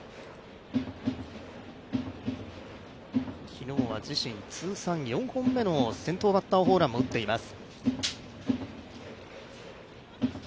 昨日は自身通算４本目の先頭バッターホームランも打っています。